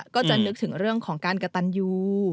ก็จะนึกถึงเรื่องของการกระตันยู